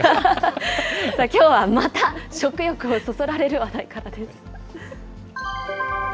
さあ、きょうはまた食欲をそそられる話題からです。